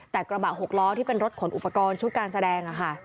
แต่กระบะ๖ล้อที่เป็นรถขนอุปกรณ์ชุดการแสดง